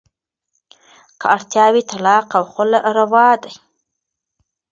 که اړتیا وي، طلاق او خلع روا دي.